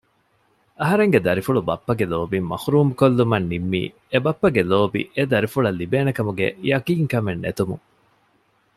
އަހަރެންގެ ދަރިފުޅު ބައްޕަގެ ލޯބިން މަޙުރޫމްކޮށްލުމަށް ނިންމީ އެބައްޕަގެ ލޯބި އެ ދަރިފުޅަށް ލިބޭނެކަމުގެ ޔަޤީންކަމެއް ނެތުމުން